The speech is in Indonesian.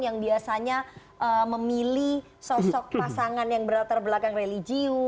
yang biasanya memilih sosok pasangan yang berlatar belakang religius